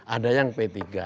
ada yang p tiga